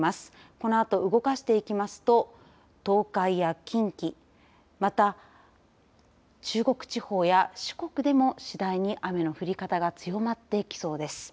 このあと動かしていきますと東海や近畿、また中国地方や四国でも、次第に雨の降り方が強まってきそうです。